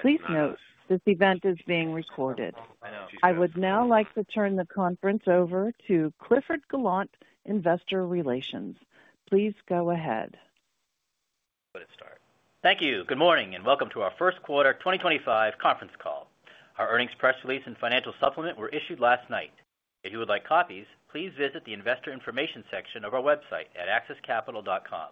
Please note, this event is being recorded. I would now like to turn the conference over to Clifford Gallant, Investor Relations. Please go ahead. Thank you. Good morning and welcome to our first quarter 2025 conference call. Our earnings press release and financial supplement were issued last night. If you would like copies, please visit the investor information section of our website at axiscapital.com.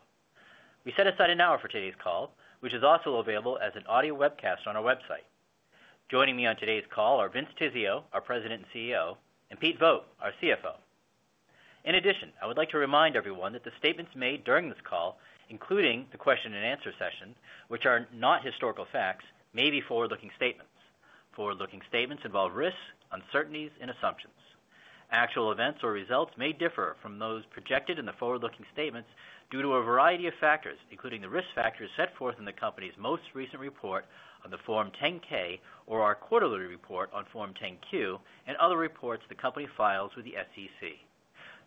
We set aside an hour for today's call, which is also available as an audio webcast on our website. Joining me on today's call are Vince Tizzio, our President and CEO, and Pete Vogt, our CFO. In addition, I would like to remind everyone that the statements made during this call, including the question and answer session, which are not historical facts, may be forward-looking statements. Forward-looking statements involve risks, uncertainties, and assumptions. Actual events or results may differ from those projected in the forward-looking statements due to a variety of factors, including the risk factors set forth in the company's most recent report on the Form 10-K or our quarterly report on Form 10-Q and other reports the company files with the SEC.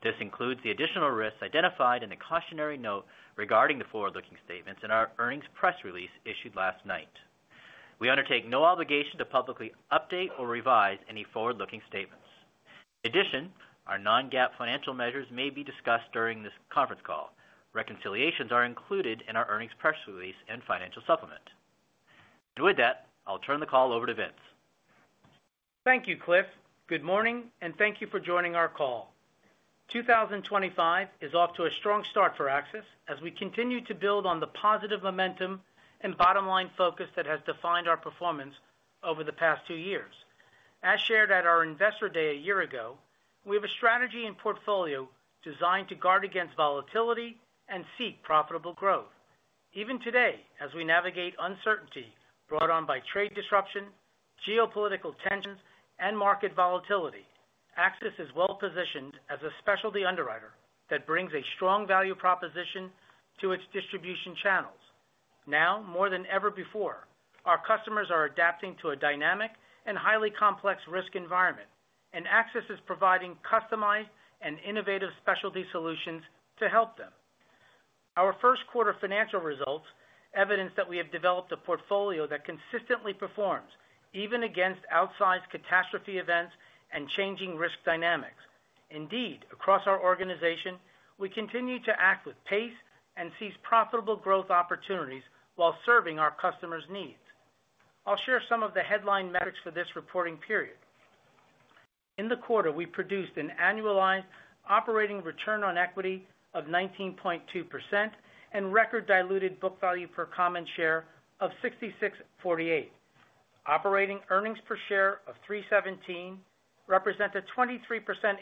This includes the additional risks identified in the cautionary note regarding the forward-looking statements in our earnings press release issued last night. We undertake no obligation to publicly update or revise any forward-looking statements. In addition, our non-GAAP financial measures may be discussed during this conference call. Reconciliations are included in our earnings press release and financial supplement. With that, I'll turn the call over to Vince. Thank you, Cliff. Good morning, and thank you for joining our call. 2025 is off to a strong start for AXIS as we continue to build on the positive momentum and bottom-line focus that has defined our performance over the past two years. As shared at our Investor Day a year ago, we have a strategy and portfolio designed to guard against volatility and seek profitable growth. Even today, as we navigate uncertainty brought on by trade disruption, geopolitical tensions, and market volatility, AXIS is well-positioned as a specialty underwriter that brings a strong value proposition to its distribution channels. Now, more than ever before, our customers are adapting to a dynamic and highly complex risk environment, and AXIS is providing customized and innovative specialty solutions to help them. Our first quarter financial results evidence that we have developed a portfolio that consistently performs even against outsized catastrophe events and changing risk dynamics. Indeed, across our organization, we continue to act with pace and seize profitable growth opportunities while serving our customers' needs. I'll share some of the headline metrics for this reporting period. In the quarter, we produced an annualized operating return on equity of 19.2% and record diluted book value per common share of $66.48. Operating earnings per share of $3.17 represent a 23%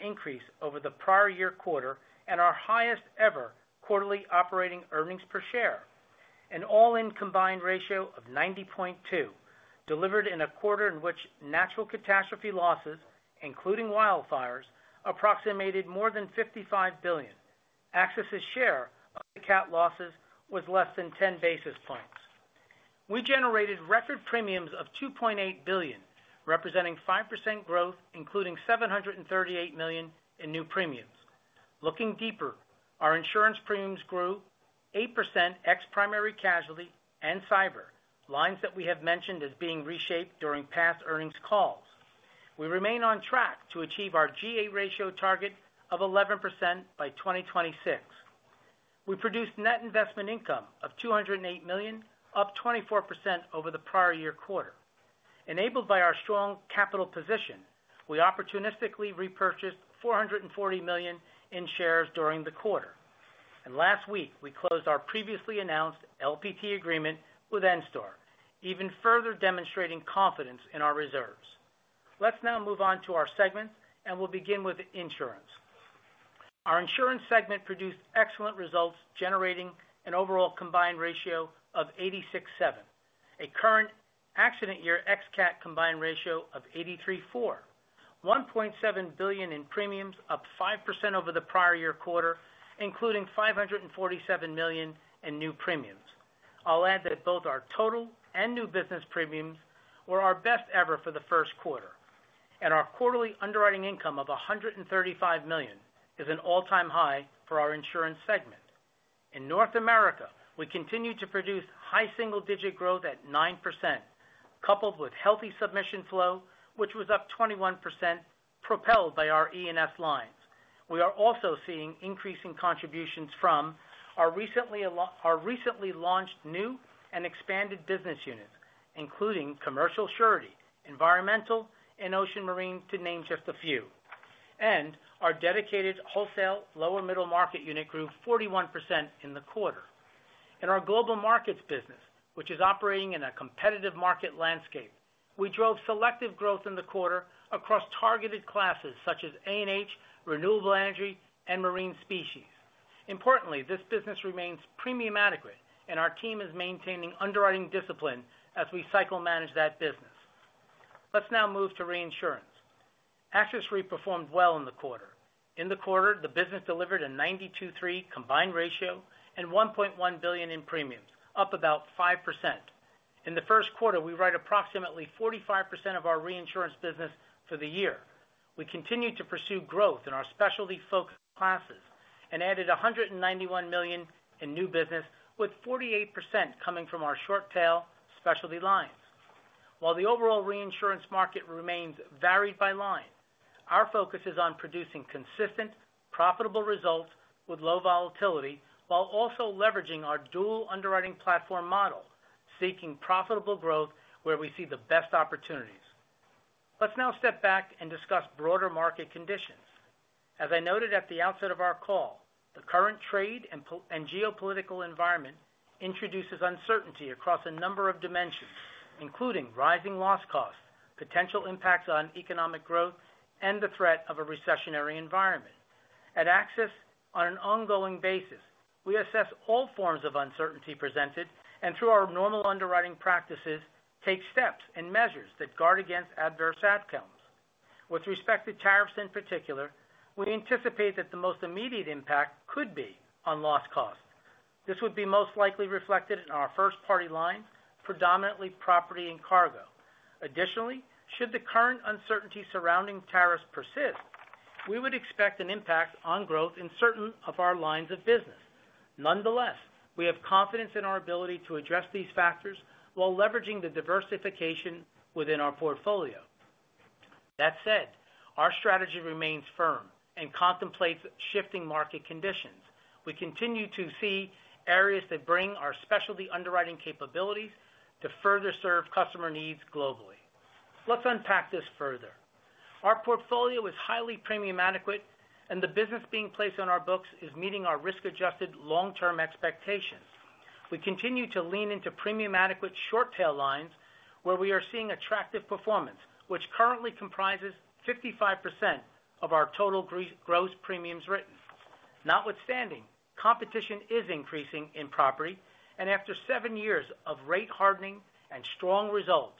increase over the prior year quarter and our highest-ever quarterly operating earnings per share, an all-in combined ratio of 90.2, delivered in a quarter in which natural catastrophe losses, including wildfires, approximated more than $55 billion. AXIS's share of the cap losses was less than 10 basis points. We generated record premiums of $2.8 billion, representing 5% growth, including $738 million in new premiums. Looking deeper, our insurance premiums grew 8% ex-primary casualty and cyber, lines that we have mentioned as being reshaped during past earnings calls. We remain on track to achieve our G&A ratio target of 11% by 2026. We produced net investment income of $208 million, up 24% over the prior year quarter. Enabled by our strong capital position, we opportunistically repurchased $440 million in shares during the quarter. Last week, we closed our previously announced LPT agreement with Enstar, even further demonstrating confidence in our reserves. Let's now move on to our segment, and we'll begin with insurance. Our insurance segment produced excellent results, generating an overall combined ratio of 86.7, a current accident year ex-cap combined ratio of 83.4, $1.7 billion in premiums, up 5% over the prior year quarter, including $547 million in new premiums. I will add that both our total and new business premiums were our best ever for the first quarter. Our quarterly underwriting income of $135 million is an all-time high for our insurance segment. In North America, we continue to produce high single-digit growth at 9%, coupled with healthy submission flow, which was up 21%, propelled by our E&S lines. We are also seeing increasing contributions from our recently launched new and expanded business units, including commercial surety, environmental, and ocean marine, to name just a few. Our dedicated wholesale lower middle market unit grew 41% in the quarter. In our global markets business, which is operating in a competitive market landscape, we drove selective growth in the quarter across targeted classes such as A&H, renewable energy, and marine specie. Importantly, this business remains premium adequate, and our team is maintaining underwriting discipline as we cycle manage that business. Let's now move to reinsurance. AXIS Re performed well in the quarter. In the quarter, the business delivered a 92.3% combined ratio and $1.1 billion in premiums, up about 5%. In the first quarter, we write approximately 45% of our reinsurance business for the year. We continue to pursue growth in our specialty-focused classes and added $191 million in new business, with 48% coming from our short-tail specialty lines. While the overall reinsurance market remains varied by line, our focus is on producing consistent, profitable results with low volatility while also leveraging our dual underwriting platform model, seeking profitable growth where we see the best opportunities. Let's now step back and discuss broader market conditions. As I noted at the outset of our call, the current trade and geopolitical environment introduces uncertainty across a number of dimensions, including rising loss costs, potential impacts on economic growth, and the threat of a recessionary environment. At AXIS, on an ongoing basis, we assess all forms of uncertainty presented and, through our normal underwriting practices, take steps and measures that guard against adverse outcomes. With respect to tariffs in particular, we anticipate that the most immediate impact could be on loss costs. This would be most likely reflected in our first-party lines, predominantly property and cargo. Additionally, should the current uncertainty surrounding tariffs persist, we would expect an impact on growth in certain of our lines of business. Nonetheless, we have confidence in our ability to address these factors while leveraging the diversification within our portfolio. That said, our strategy remains firm and contemplates shifting market conditions. We continue to see areas that bring our specialty underwriting capabilities to further serve customer needs globally. Let's unpack this further. Our portfolio is highly premium adequate, and the business being placed on our books is meeting our risk-adjusted long-term expectations. We continue to lean into premium adequate short-tail lines, where we are seeing attractive performance, which currently comprises 55% of our total gross premiums written. Notwithstanding, competition is increasing in property, and after seven years of rate hardening and strong results,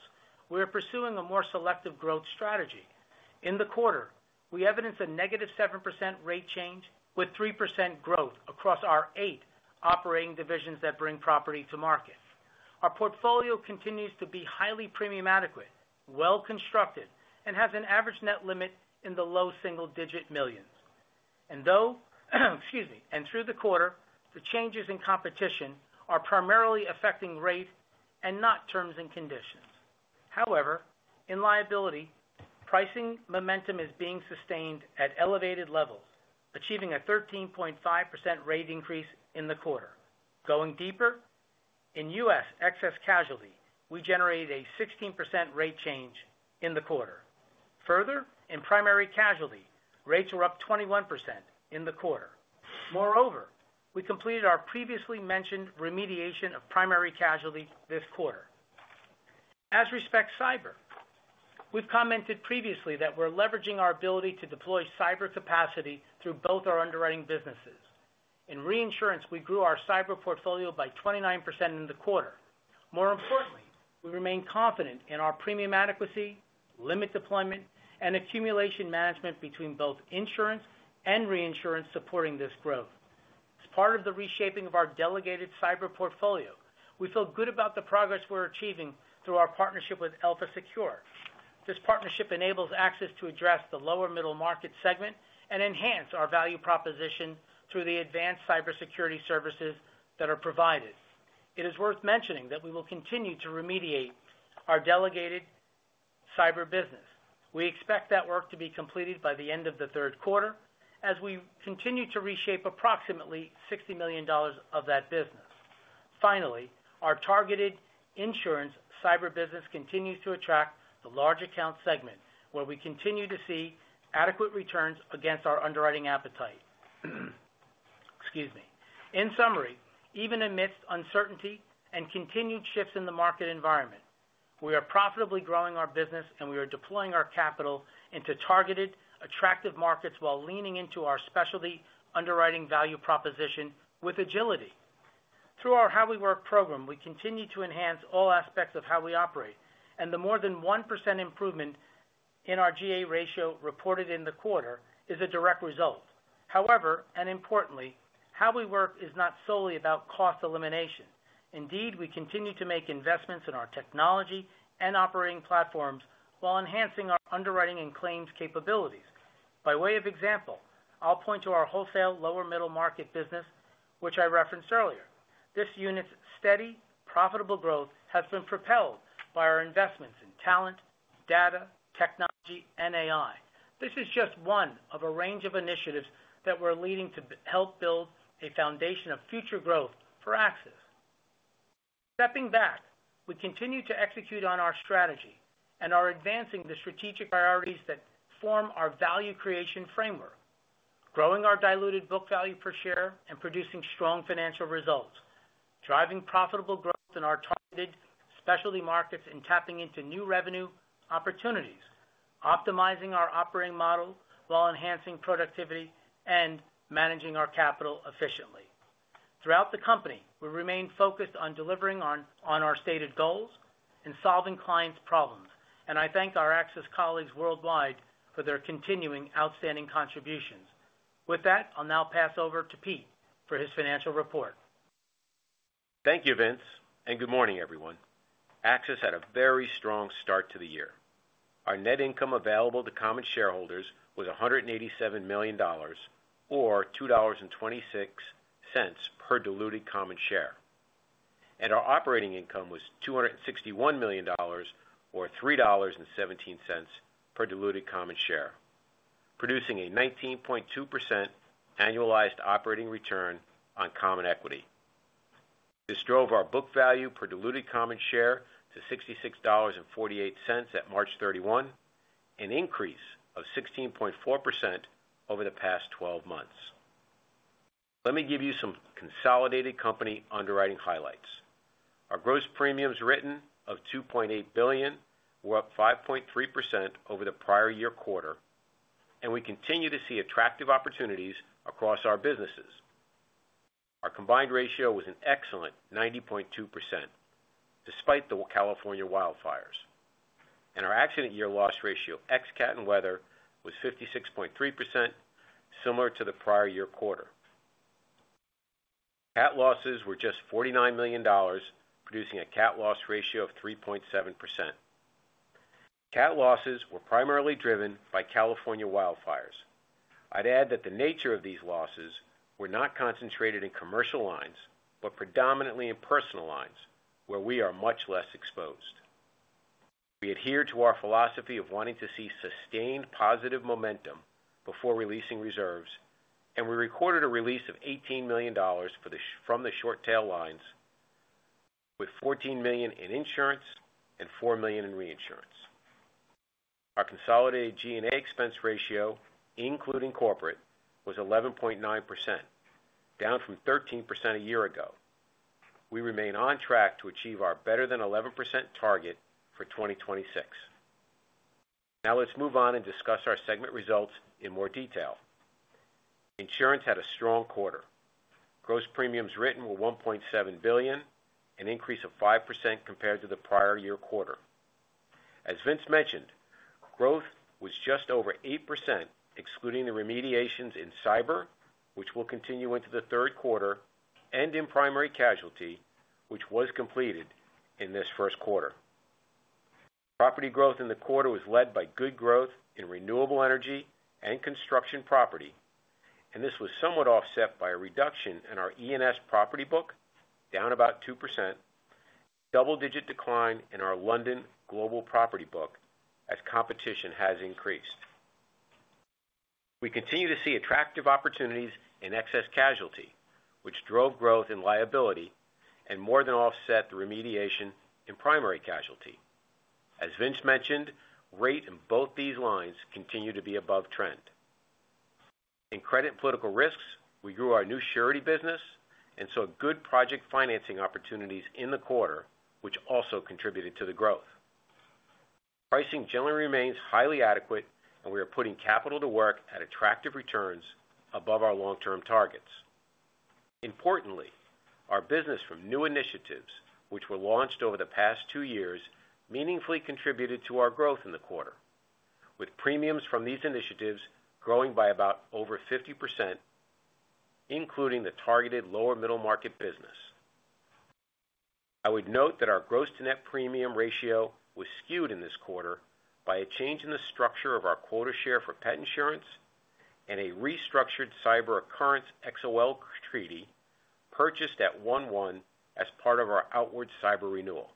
we are pursuing a more selective growth strategy. In the quarter, we evidence a negative 7% rate change with 3% growth across our eight operating divisions that bring property to market. Our portfolio continues to be highly premium adequate, well-constructed, and has an average net limit in the low single-digit millions. Through the quarter, the changes in competition are primarily affecting rate and not terms and conditions. However, in liability, pricing momentum is being sustained at elevated levels, achieving a 13.5% rate increase in the quarter. Going deeper, in U.S. excess casualty, we generated a 16% rate change in the quarter. Further, in primary casualty, rates are up 21% in the quarter. Moreover, we completed our previously mentioned remediation of primary casualty this quarter. As respects cyber, we've commented previously that we're leveraging our ability to deploy cyber capacity through both our underwriting businesses. In reinsurance, we grew our cyber portfolio by 29% in the quarter. More importantly, we remain confident in our premium adequacy, limit deployment, and accumulation management between both insurance and reinsurance supporting this growth. As part of the reshaping of our delegated cyber portfolio, we feel good about the progress we're achieving through our partnership with Elpha Secure. This partnership enables AXIS to address the lower middle market segment and enhance our value proposition through the advanced cybersecurity services that are provided. It is worth mentioning that we will continue to remediate our delegated cyber business. We expect that work to be completed by the end of the third quarter as we continue to reshape approximately $60 million of that business. Finally, our targeted insurance cyber business continues to attract the large account segment, where we continue to see adequate returns against our underwriting appetite. In summary, even amidst uncertainty and continued shifts in the market environment, we are profitably growing our business, and we are deploying our capital into targeted, attractive markets while leaning into our specialty underwriting value proposition with agility. Through our How We Work program, we continue to enhance all aspects of how we operate, and the more than 1% improvement in our GA ratio reported in the quarter is a direct result. However, and importantly, How We Work is not solely about cost elimination. Indeed, we continue to make investments in our technology and operating platforms while enhancing our underwriting and claims capabilities. By way of example, I'll point to our wholesale lower middle market business, which I referenced earlier. This unit's steady, profitable growth has been propelled by our investments in talent, data, technology, and AI. This is just one of a range of initiatives that we're leading to help build a foundation of future growth for AXIS. Stepping back, we continue to execute on our strategy and are advancing the strategic priorities that form our value creation framework, growing our diluted book value per share and producing strong financial results, driving profitable growth in our targeted specialty markets and tapping into new revenue opportunities, optimizing our operating model while enhancing productivity and managing our capital efficiently. Throughout the company, we remain focused on delivering on our stated goals and solving clients' problems, and I thank our AXIS colleagues worldwide for their continuing outstanding contributions. With that, I'll now pass over to Pete for his financial report. Thank you, Vince, and good morning, everyone. AXIS had a very strong start to the year. Our net income available to common shareholders was $187 million, or $2.26 per diluted common share. Our operating income was $261 million, or $3.17 per diluted common share, producing a 19.2% annualized operating return on common equity. This drove our book value per diluted common share to $66.48 at March 31, an increase of 16.4% over the past 12 months. Let me give you some consolidated company underwriting highlights. Our gross premiums written of $2.8 billion were up 5.3% over the prior year quarter, and we continue to see attractive opportunities across our businesses. Our combined ratio was an excellent 90.2%, despite the California wildfires. Our accident year loss ratio ex-cap and weather was 56.3%, similar to the prior year quarter. Cap losses were just $49 million, producing a cap loss ratio of 3.7%. Cap losses were primarily driven by California wildfires. I'd add that the nature of these losses were not concentrated in commercial lines, but predominantly in personal lines, where we are much less exposed. We adhere to our philosophy of wanting to see sustained positive momentum before releasing reserves, and we recorded a release of $18 million from the short-tail lines, with $14 million in insurance and $4 million in reinsurance. Our consolidated G&A expense ratio, including corporate, was 11.9%, down from 13% a year ago. We remain on track to achieve our better-than-11% target for 2026. Now let's move on and discuss our segment results in more detail. Insurance had a strong quarter. Gross premiums written were $1.7 billion, an increase of 5% compared to the prior year quarter. As Vince mentioned, growth was just over 8%, excluding the remediations in cyber, which will continue into the third quarter, and in primary casualty, which was completed in this first quarter. Property growth in the quarter was led by good growth in renewable energy and construction property, and this was somewhat offset by a reduction in our E&S property book, down about 2%, and a double-digit decline in our London global property book as competition has increased. We continue to see attractive opportunities in excess casualty, which drove growth in liability and more than offset the remediation in primary casualty. As Vince mentioned, rate in both these lines continued to be above trend. In credit and political risks, we grew our new surety business and saw good project financing opportunities in the quarter, which also contributed to the growth. Pricing generally remains highly adequate, and we are putting capital to work at attractive returns above our long-term targets. Importantly, our business from new initiatives, which were launched over the past two years, meaningfully contributed to our growth in the quarter, with premiums from these initiatives growing by about over 50%, including the targeted lower middle market business. I would note that our gross-to-net premium ratio was skewed in this quarter by a change in the structure of our quota share for pet insurance and a restructured cyber occurrence XOL treaty purchased at 1/1 as part of our outward cyber renewal.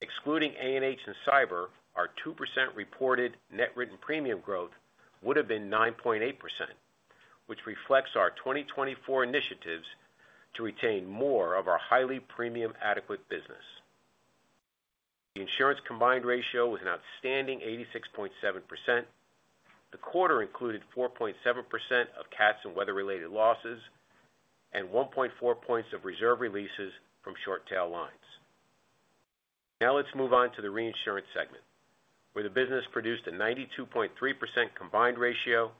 Excluding A&H and cyber, our 2% reported net written premium growth would have been 9.8%, which reflects our 2024 initiatives to retain more of our highly premium adequate business. The insurance combined ratio was an outstanding 86.7%. The quarter included 4.7% of caps and weather-related losses and 1.4 percentage points of reserve releases from short-tail lines. Now let's move on to the reinsurance segment, where the business produced a 92.3% combined ratio,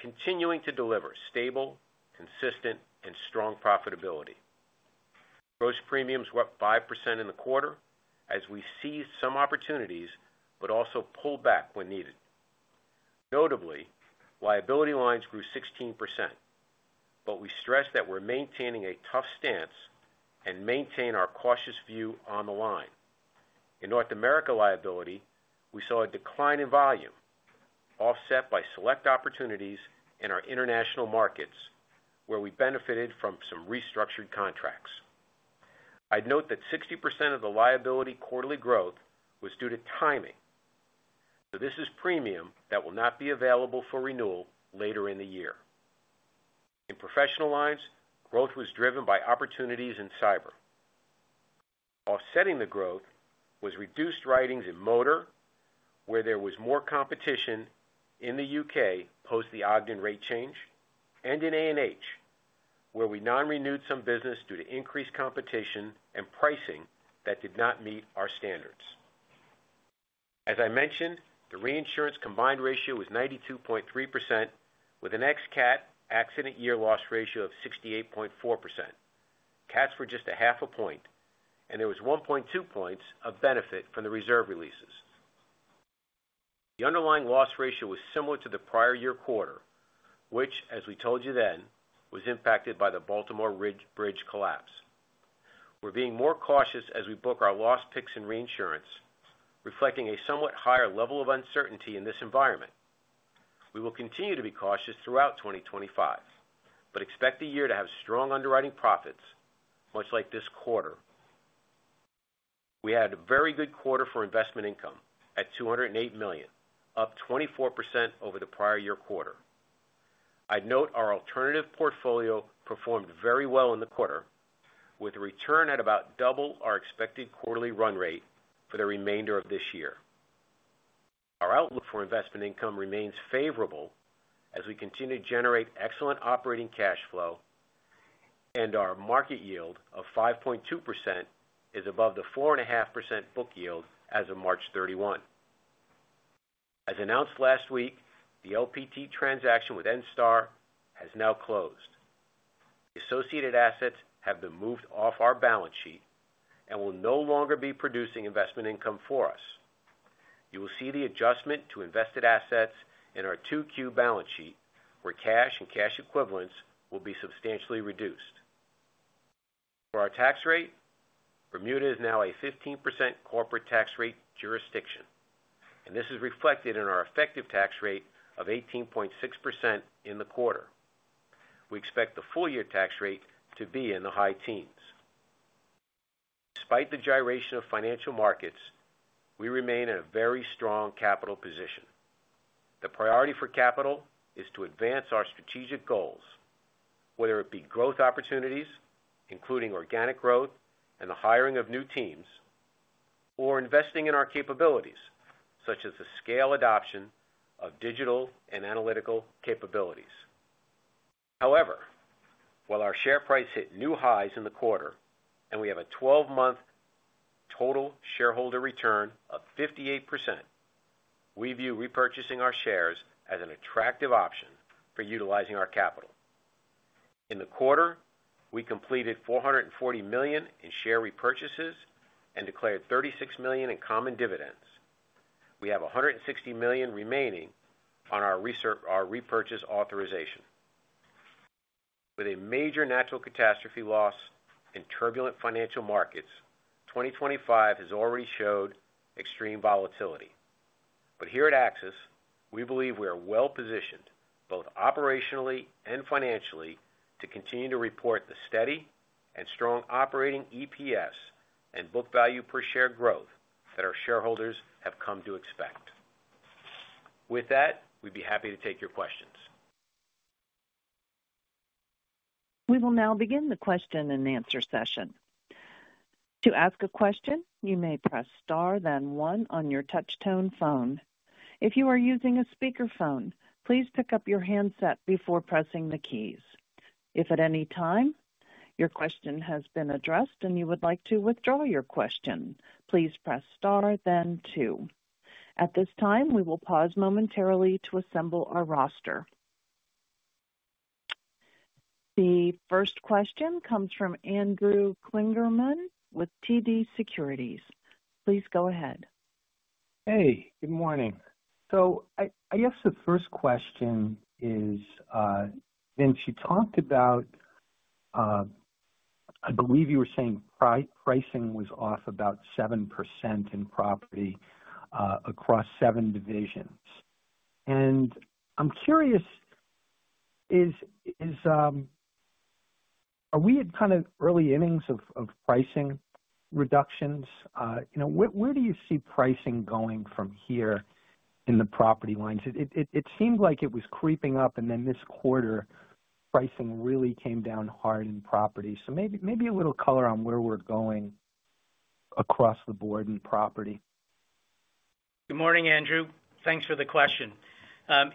continuing to deliver stable, consistent, and strong profitability. Gross premiums were up 5% in the quarter as we seized some opportunities but also pulled back when needed. Notably, liability lines grew 16%, but we stress that we're maintaining a tough stance and maintain our cautious view on the line. In North America liability, we saw a decline in volume, offset by select opportunities in our international markets, where we benefited from some restructured contracts. I'd note that 60% of the liability quarterly growth was due to timing. This is premium that will not be available for renewal later in the year. In professional lines, growth was driven by opportunities in cyber. Offsetting the growth was reduced writings in motor, where there was more competition in the U.K. post the Ogden rate change, and in A&H, where we non-renewed some business due to increased competition and pricing that did not meet our standards. As I mentioned, the reinsurance combined ratio was 92.3%, with an ex-cap accident year loss ratio of 68.4%. Caps were just a half a point, and there was 1.2 points of benefit from the reserve releases. The underlying loss ratio was similar to the prior year quarter, which, as we told you then, was impacted by the Baltimore Bridge collapse. We are being more cautious as we book our loss picks in reinsurance, reflecting a somewhat higher level of uncertainty in this environment. We will continue to be cautious throughout 2025, but expect the year to have strong underwriting profits, much like this quarter. We had a very good quarter for investment income at $208 million, up 24% over the prior year quarter. I'd note our alternative portfolio performed very well in the quarter, with a return at about double our expected quarterly run rate for the remainder of this year. Our outlook for investment income remains favorable as we continue to generate excellent operating cash flow, and our market yield of 5.2% is above the 4.5% book yield as of March 31. As announced last week, the LPT transaction with Enstar has now closed. The associated assets have been moved off our balance sheet and will no longer be producing investment income for us. You will see the adjustment to invested assets in our 2Q balance sheet, where cash and cash equivalents will be substantially reduced. For our tax rate, Bermuda is now a 15% corporate tax rate jurisdiction, and this is reflected in our effective tax rate of 18.6% in the quarter. We expect the full year tax rate to be in the high teens. Despite the gyration of financial markets, we remain in a very strong capital position. The priority for capital is to advance our strategic goals, whether it be growth opportunities, including organic growth and the hiring of new teams, or investing in our capabilities, such as the scale adoption of digital and analytical capabilities. However, while our share price hit new highs in the quarter and we have a 12-month total shareholder return of 58%, we view repurchasing our shares as an attractive option for utilizing our capital. In the quarter, we completed $440 million in share repurchases and declared $36 million in common dividends. We have $160 million remaining on our repurchase authorization. With a major natural catastrophe loss and turbulent financial markets, 2025 has already showed extreme volatility. Here at AXIS, we believe we are well-positioned both operationally and financially to continue to report the steady and strong operating EPS and book value per share growth that our shareholders have come to expect. With that, we'd be happy to take your questions. We will now begin the question and answer session. To ask a question, you may press Star, then 1 on your touch-tone phone. If you are using a speakerphone, please pick up your handset before pressing the keys. If at any time your question has been addressed and you would like to withdraw your question, please press Star, then 2. At this time, we will pause momentarily to assemble our roster. The first question comes from Andrew Kligerman with TD Securities. Please go ahead. Hey, good morning. I guess the first question is, Vince, you talked about, I believe you were saying pricing was off about 7% in property across seven divisions. I'm curious, are we at kind of early innings of pricing reductions? Where do you see pricing going from here in the property lines? It seemed like it was creeping up, and then this quarter, pricing really came down hard in property. Maybe a little color on where we're going across the board in property. Good morning, Andrew. Thanks for the question.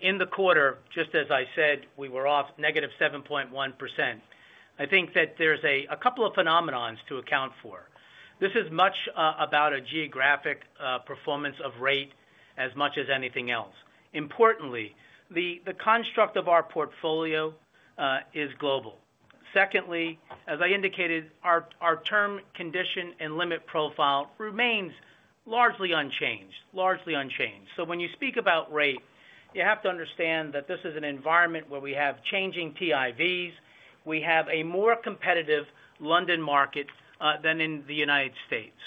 In the quarter, just as I said, we were off negative 7.1%. I think that there's a couple of phenomenons to account for. This is much about a geographic performance of rate as much as anything else. Importantly, the construct of our portfolio is global. Secondly, as I indicated, our term condition and limit profile remains largely unchanged, largely unchanged. When you speak about rate, you have to understand that this is an environment where we have changing TIVs. We have a more competitive London market than in the United States.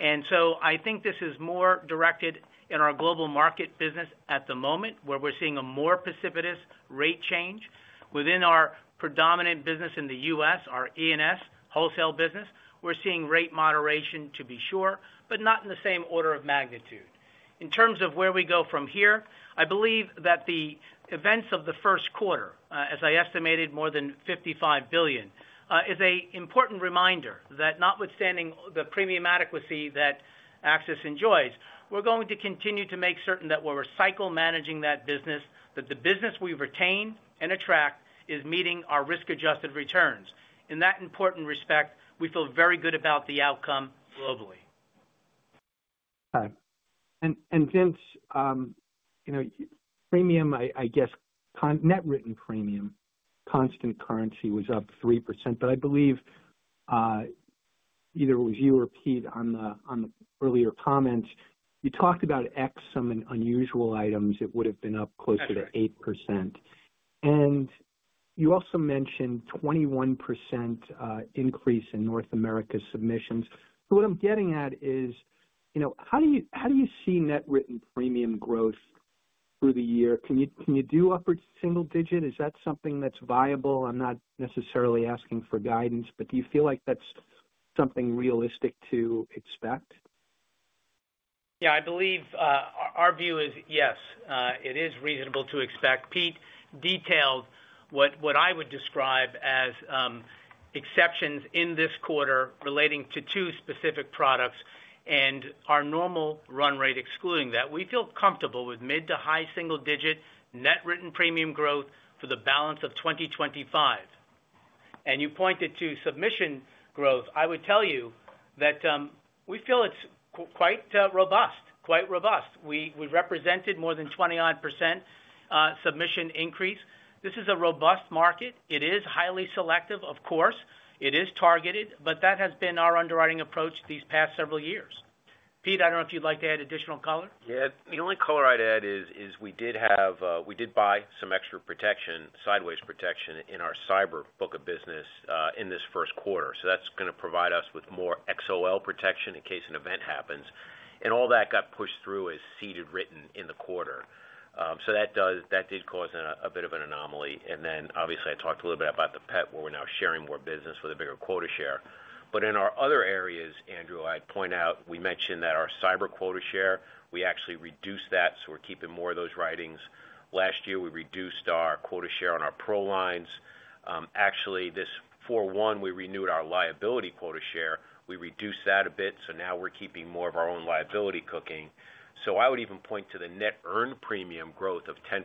I think this is more directed in our global market business at the moment, where we're seeing a more precipitous rate change. Within our predominant business in the U.S., our E&S wholesale business, we're seeing rate moderation, to be sure, but not in the same order of magnitude. In terms of where we go from here, I believe that the events of the first quarter, as I estimated, more than $55 billion, is an important reminder that, notwithstanding the premium adequacy that AXIS enjoys, we're going to continue to make certain that we're recycled managing that business, that the business we retain and attract is meeting our risk-adjusted returns. In that important respect, we feel very good about the outcome globally. Hi. Vince, premium, I guess net written premium constant currency was up 3%, but I believe either it was you or Pete on the earlier comments. You talked about, excluding some unusual items, it would have been up closer to 8%. You also mentioned 21% increase in North America submissions. What I'm getting at is, how do you see net written premium growth through the year? Can you do upward single digit? Is that something that's viable? I'm not necessarily asking for guidance, but do you feel like that's something realistic to expect? Yeah, I believe our view is yes, it is reasonable to expect. Pete detailed what I would describe as exceptions in this quarter relating to two specific products and our normal run rate excluding that. We feel comfortable with mid to high single digit net written premium growth for the balance of 2025. You pointed to submission growth. I would tell you that we feel it's quite robust, quite robust. We represented more than 29% submission increase. This is a robust market. It is highly selective, of course. It is targeted, but that has been our underwriting approach these past several years. Pete, I don't know if you'd like to add additional color. Yeah, the only color I'd add is we did buy some extra protection, sideways protection in our cyber book of business in this first quarter. That's going to provide us with more XOL protection in case an event happens. All that got pushed through as ceded written in the quarter. That did cause a bit of an anomaly. Obviously, I talked a little bit about the PEP, where we're now sharing more business with a bigger quota share. In our other areas, Andrew, I'd point out, we mentioned that our cyber quota share, we actually reduced that, so we're keeping more of those writings. Last year, we reduced our quota share on our pro lines. Actually, this 4/1, we renewed our liability quota share. We reduced that a bit, so now we're keeping more of our own liability cooking. I would even point to the net earned premium growth of 10%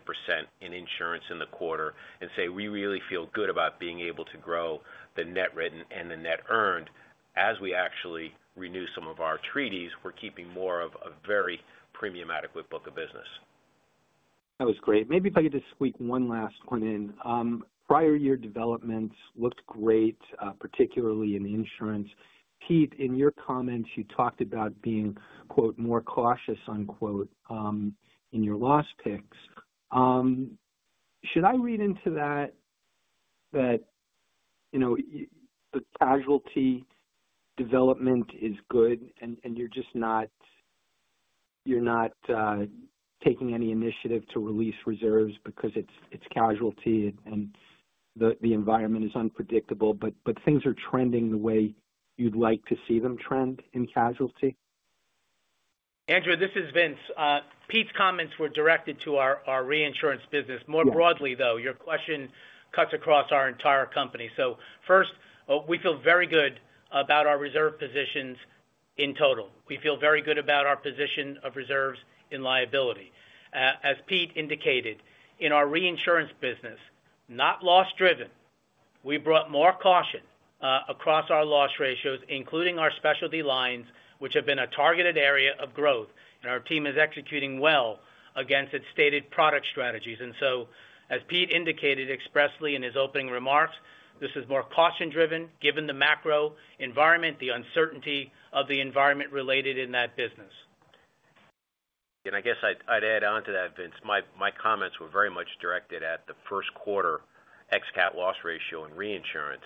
in insurance in the quarter and say we really feel good about being able to grow the net written and the net earned as we actually renew some of our treaties. We're keeping more of a very premium adequate book of business. That was great. Maybe if I could just squeak one last one in. Prior year developments looked great, particularly in insurance. Pete, in your comments, you talked about being "more cautious" in your loss picks. Should I read into that that the casualty development is good and you're not taking any initiative to release reserves because it's casualty and the environment is unpredictable, but things are trending the way you'd like to see them trend in casualty? Andrew, this is Vince. Pete's comments were directed to our reinsurance business. More broadly, though, your question cuts across our entire company. First, we feel very good about our reserve positions in total. We feel very good about our position of reserves in liability. As Pete indicated, in our reinsurance business, not loss-driven, we brought more caution across our loss ratios, including our specialty lines, which have been a targeted area of growth. Our team is executing well against its stated product strategies. As Pete indicated expressly in his opening remarks, this is more caution-driven given the macro environment, the uncertainty of the environment related in that business. I guess I'd add on to that, Vince. My comments were very much directed at the first quarter ex-cap loss ratio in reinsurance.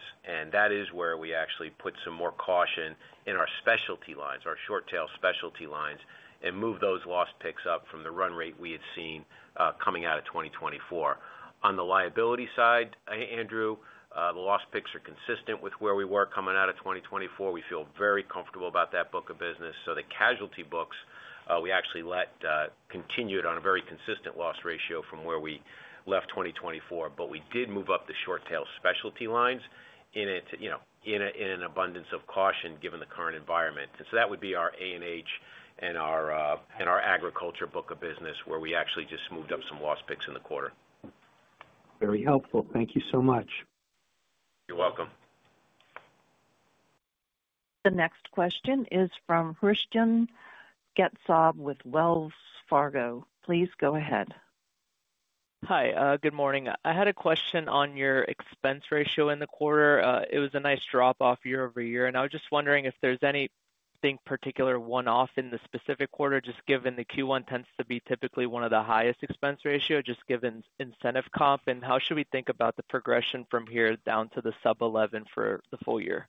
That is where we actually put some more caution in our specialty lines, our short-tail specialty lines, and moved those loss picks up from the run rate we had seen coming out of 2024. On the liability side, Andrew, the loss picks are consistent with where we were coming out of 2024. We feel very comfortable about that book of business. The casualty books, we actually let continue on a very consistent loss ratio from where we left 2024, but we did move up the short-tail specialty lines in an abundance of caution given the current environment. That would be our A&H and our agriculture book of business, where we actually just moved up some loss picks in the quarter. Very helpful. Thank you so much. You're welcome. The next question is from Christian Getzoff with Wells Fargo. Please go ahead. Hi, good morning. I had a question on your expense ratio in the quarter. It was a nice drop off year over year. I was just wondering if there's anything particular one-off in the specific quarter, just given the Q1 tends to be typically one of the highest expense ratio, just given incentive comp, and how should we think about the progression from here down to the sub-11 for the full year?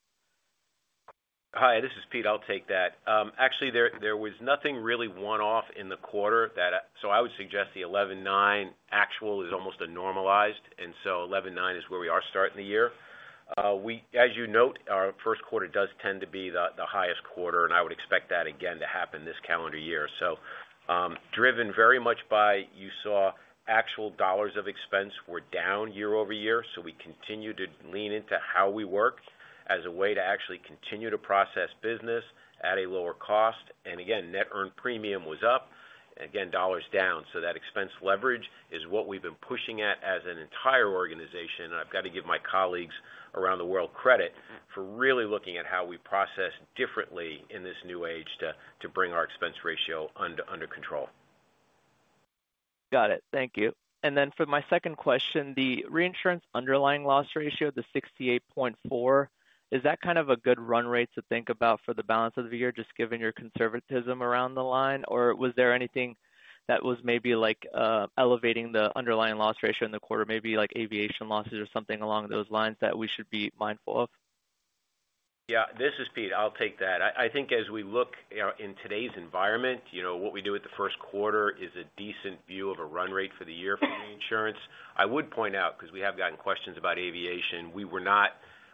Hi, this is Pete. I'll take that. Actually, there was nothing really one-off in the quarter. I would suggest the 11/9 actual is almost a normalized. 11/9 is where we are starting the year. As you note, our first quarter does tend to be the highest quarter. I would expect that again to happen this calendar year. Driven very much by you saw actual dollars of expense were down year over year. We continue to lean into how we work as a way to actually continue to process business at a lower cost. Again, net earned premium was up. Again, dollars down. That expense leverage is what we've been pushing at as an entire organization. I have got to give my colleagues around the world credit for really looking at how we process differently in this new age to bring our expense ratio under control. Got it. Thank you. For my second question, the reinsurance underlying loss ratio, the 68.4, is that kind of a good run rate to think about for the balance of the year, just given your conservatism around the line? Was there anything that was maybe like elevating the underlying loss ratio in the quarter, maybe like aviation losses or something along those lines that we should be mindful of? Yeah, this is Pete. I'll take that. I think as we look in today's environment, what we do at the first quarter is a decent view of a run rate for the year for reinsurance. I would point out, because we have gotten questions about aviation,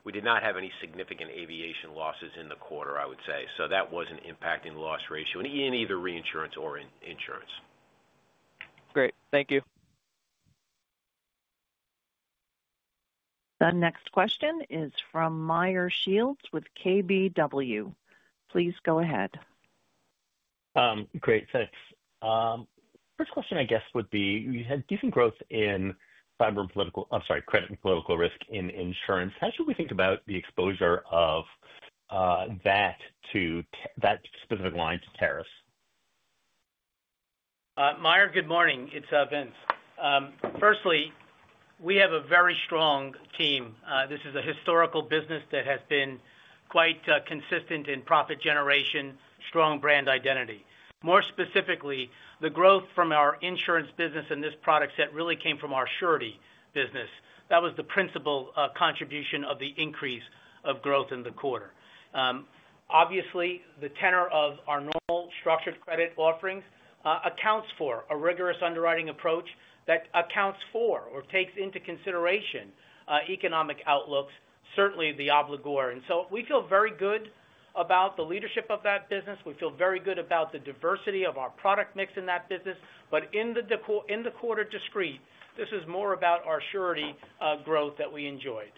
we did not have any significant aviation losses in the quarter, I would say. That was not impacting the loss ratio in either reinsurance or insurance. Great. Thank you. The next question is from Meyer Shields with KBW. Please go ahead. Great. Thanks. First question, I guess, would be you had decent growth in cyber and political, I'm sorry, credit and political risk in insurance. How should we think about the exposure of that specific line to tariffs? Meyer, good morning. It's Vince. Firstly, we have a very strong team. This is a historical business that has been quite consistent in profit generation, strong brand identity. More specifically, the growth from our insurance business and this product set really came from our surety business. That was the principal contribution of the increase of growth in the quarter. Obviously, the tenor of our normal structured credit offerings accounts for a rigorous underwriting approach that accounts for or takes into consideration economic outlooks, certainly the obligor. We feel very good about the leadership of that business. We feel very good about the diversity of our product mix in that business. In the quarter discrete, this is more about our surety growth that we enjoyed.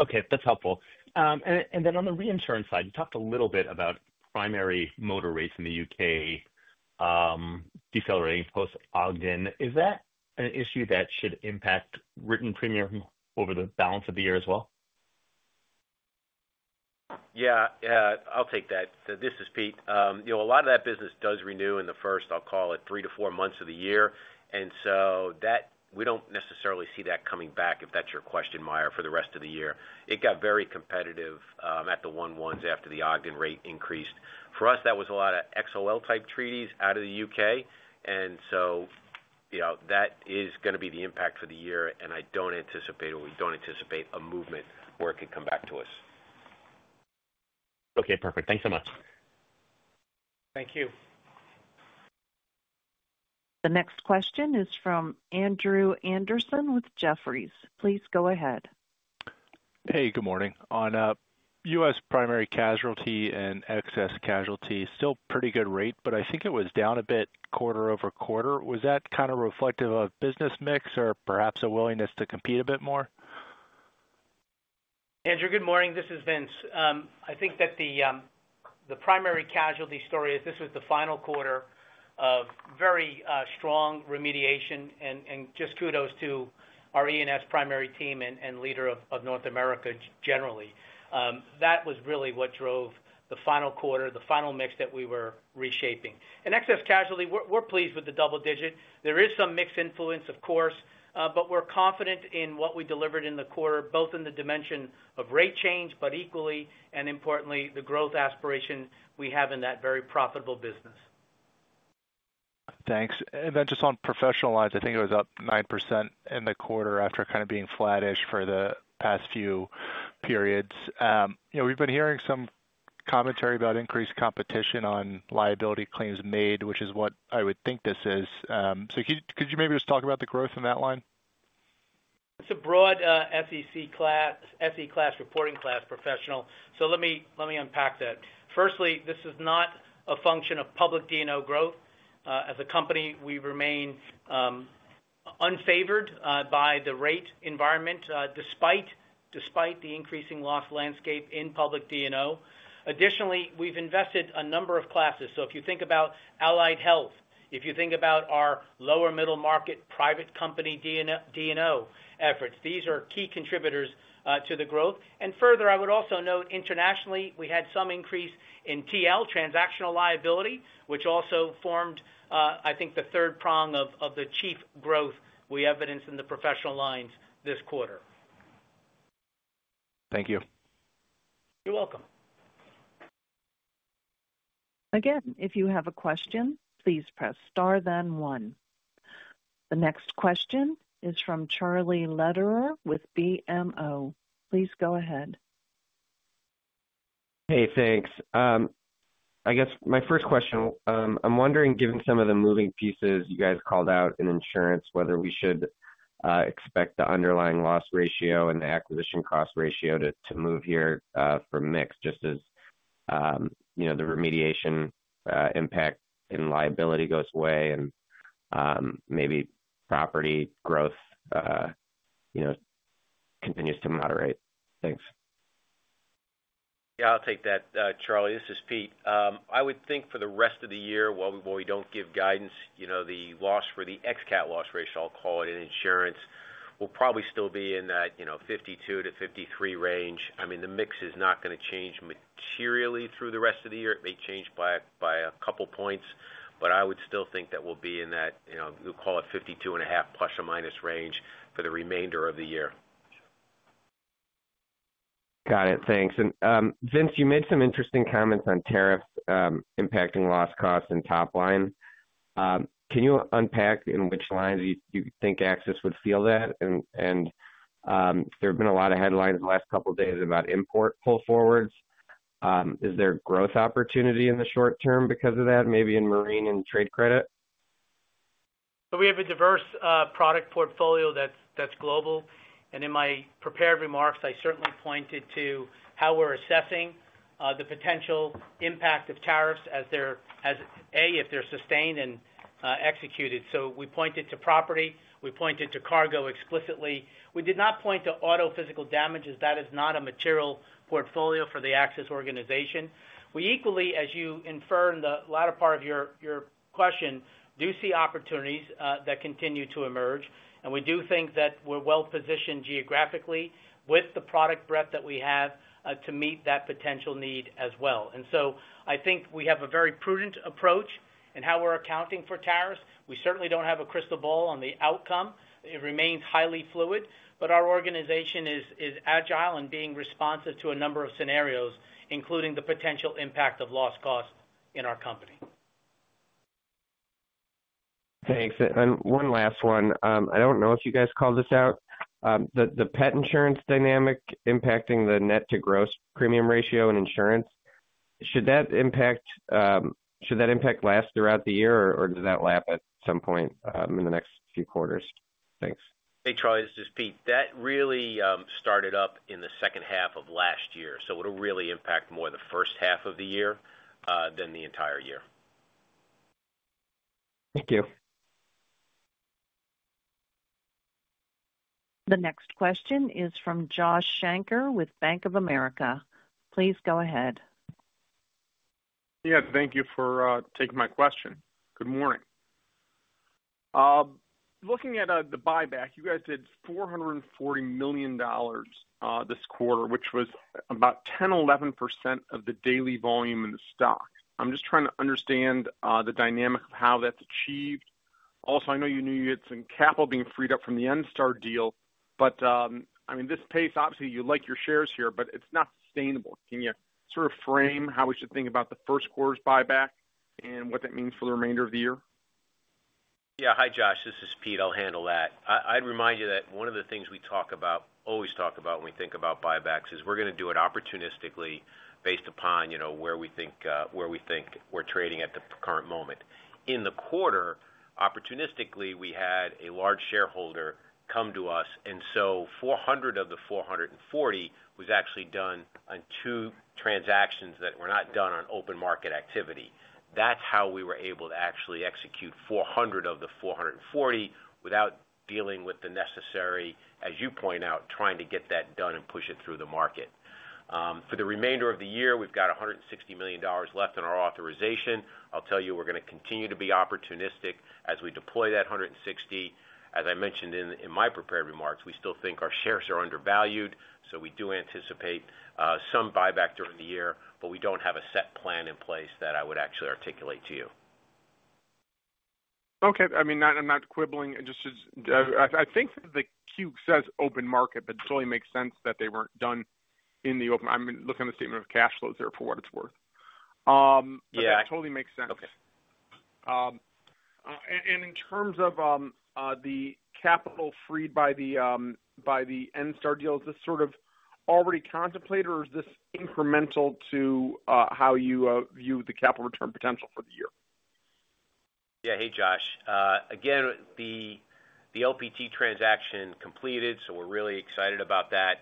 Okay. That's helpful. Then on the reinsurance side, you talked a little bit about primary motor rates in the U.K. decelerating post-Ogden. Is that an issue that should impact written premium over the balance of the year as well? Yeah, I'll take that. This is Pete. A lot of that business does renew in the first, I'll call it, three to four months of the year. We don't necessarily see that coming back, if that's your question, Meyer, for the rest of the year. It got very competitive at the one-ones after the Ogden rate increased. For us, that was a lot of XOL-type treaties out of the U.K. That is going to be the impact for the year. I don't anticipate or we don't anticipate a movement where it could come back to us. Okay. Perfect. Thanks so much. Thank you. The next question is from Andrew Andersen with Jefferies. Please go ahead. Hey, good morning. On U.S. primary casualty and excess casualty, still pretty good rate, but I think it was down a bit quarter over quarter. Was that kind of reflective of business mix or perhaps a willingness to compete a bit more? Andrew, good morning. This is Vince. I think that the primary casualty story is this was the final quarter of very strong remediation and just kudos to our E&S primary team and leader of North America generally. That was really what drove the final quarter, the final mix that we were reshaping. In excess casualty, we're pleased with the double digit. There is some mixed influence, of course, but we're confident in what we delivered in the quarter, both in the dimension of rate change, but equally, and importantly, the growth aspiration we have in that very profitable business. Thanks. Then just on professional lines, I think it was up 9% in the quarter after kind of being flattish for the past few periods. We've been hearing some commentary about increased competition on liability claims made, which is what I would think this is. Could you maybe just talk about the growth in that line? It's a broad SEC class, SEC class reporting class professional. Let me unpack that. Firstly, this is not a function of public D&O growth. As a company, we remain unfavored by the rate environment despite the increasing loss landscape in public D&O. Additionally, we've invested a number of classes. If you think about Allied Health, if you think about our lower middle market private company D&O efforts, these are key contributors to the growth. Further, I would also note internationally, we had some increase in TL transactional liability, which also formed, I think, the third prong of the chief growth we evidenced in the professional lines this quarter. Thank you. You're welcome. Again, if you have a question, please press star then one. The next question is from Charlie Lederer with BMO. Please go ahead. Hey, thanks. I guess my first question, I'm wondering, given some of the moving pieces you guys called out in insurance, whether we should expect the underlying loss ratio and the acquisition cost ratio to move here from mix just as the remediation impact in liability goes away and maybe property growth continues to moderate. Thanks. Yeah, I'll take that, Charlie. This is Pete. I would think for the rest of the year, while we don't give guidance, the loss for the ex-cap loss ratio, I'll call it in insurance, will probably still be in that 52-53% range. I mean, the mix is not going to change materially through the rest of the year. It may change by a couple of points, but I would still think that we'll be in that, we'll call it 52.5% plus or minus range for the remainder of the year. Got it. Thanks. Vince, you made some interesting comments on tariffs impacting loss costs and top line. Can you unpack in which lines you think AXIS would feel that? There have been a lot of headlines the last couple of days about import pull forwards. Is there growth opportunity in the short term because of that, maybe in marine and trade credit? We have a diverse product portfolio that's global. In my prepared remarks, I certainly pointed to how we're assessing the potential impact of tariffs as, A, if they're sustained and executed. We pointed to property. We pointed to cargo explicitly. We did not point to auto physical damages. That is not a material portfolio for the AXIS organization. We equally, as you infer in the latter part of your question, do see opportunities that continue to emerge. We do think that we're well positioned geographically with the product breadth that we have to meet that potential need as well. I think we have a very prudent approach in how we're accounting for tariffs. We certainly don't have a crystal ball on the outcome. It remains highly fluid, but our organization is agile in being responsive to a number of scenarios, including the potential impact of loss costs in our company. Thanks. One last one. I do not know if you guys called this out. The pet insurance dynamic impacting the net-to-gross premium ratio in insurance, should that impact last throughout the year, or does that lap at some point in the next few quarters? Thanks. Hey, Charlie. This is Pete. That really started up in the second half of last year. It will really impact more the first half of the year than the entire year. Thank you. The next question is from Josh Shanker with Bank of America. Please go ahead. Yeah, thank you for taking my question. Good morning. Looking at the buyback, you guys did $440 million this quarter, which was about 10-11% of the daily volume in the stock. I'm just trying to understand the dynamic of how that's achieved. Also, I know you knew you had some capital being freed up from the Enstar deal, but I mean, this pace, obviously, you like your shares here, but it's not sustainable. Can you sort of frame how we should think about the first quarter's buyback and what that means for the remainder of the year? Yeah. Hi, Josh. This is Pete. I'll handle that. I'd remind you that one of the things we talk about, always talk about when we think about buybacks is we're going to do it opportunistically based upon where we think we're trading at the current moment. In the quarter, opportunistically, we had a large shareholder come to us. $400 million of the $440 million was actually done on two transactions that were not done on open market activity. That's how we were able to actually execute $400 million of the $440 million without dealing with the necessary, as you point out, trying to get that done and push it through the market. For the remainder of the year, we've got $160 million left in our authorization. I'll tell you, we're going to continue to be opportunistic as we deploy that $160 million. As I mentioned in my prepared remarks, we still think our shares are undervalued. We do anticipate some buyback during the year, but we do not have a set plan in place that I would actually articulate to you. Okay. I mean, I'm not quibbling. I think the Q says open market, but it totally makes sense that they weren't done in the open. I'm looking at the statement of cash flows there for what it's worth. That totally makes sense. In terms of the capital freed by the Enstar deal, is this sort of already contemplated, or is this incremental to how you view the capital return potential for the year? Yeah. Hey, Josh. Again, the LPT transaction completed, so we're really excited about that.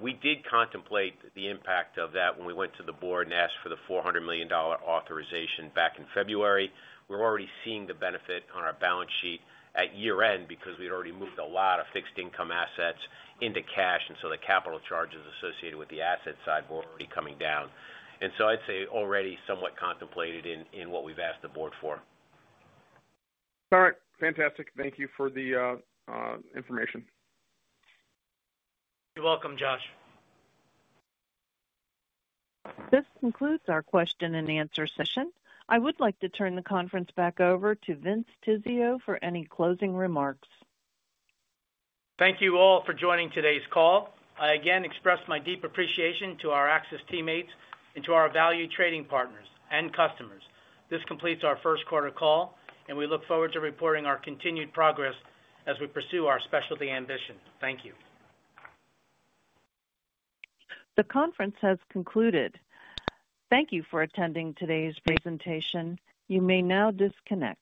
We did contemplate the impact of that when we went to the board and asked for the $400 million authorization back in February. We're already seeing the benefit on our balance sheet at year-end because we'd already moved a lot of fixed income assets into cash. The capital charges associated with the asset side were already coming down. I'd say already somewhat contemplated in what we've asked the board for. All right. Fantastic. Thank you for the information. You're welcome, Josh. This concludes our question and answer session. I would like to turn the conference back over to Vince Tizzio for any closing remarks. Thank you all for joining today's call. I again express my deep appreciation to our AXIS teammates and to our valued trading partners and customers. This completes our first quarter call, and we look forward to reporting our continued progress as we pursue our specialty ambition. Thank you. The conference has concluded. Thank you for attending today's presentation. You may now disconnect.